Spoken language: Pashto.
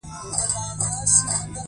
هغه بل ملګري یې ورته وویل.